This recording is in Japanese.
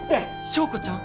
昭子ちゃん？